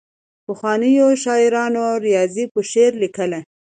پخوانیو شاعرانو ریاضي په شعر لیکله.